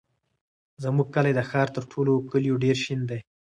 زموږ کلی د ښار تر ټولو کلیو ډېر شین دی.